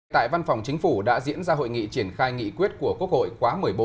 tại văn phòng chính phủ đã diễn ra hội nghị triển khai nghị quyết của quốc hội quá một mươi bốn